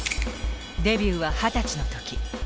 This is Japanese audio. デビューは二十歳の時。